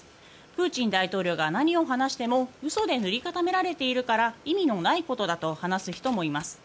プーチン大統領が何を話しても嘘で塗り固められているから意味のないことだと話す人もいます。